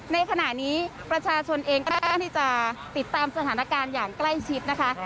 ในขณะนี้ประชาชนเองก็กล้าที่จะติดตามสถานการณ์อย่างใกล้ชิดนะคะ